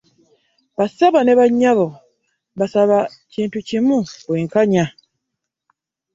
Ba ssebo ne bannyabo mbasaba kintu kimu bwenkanya.